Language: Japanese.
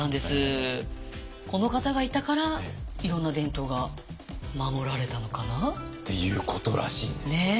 この方がいたからいろんな伝統が守られたのかな？っていうことらしいんですけどね。